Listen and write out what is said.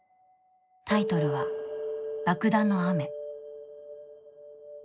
タイトルは、「爆弾の雨」。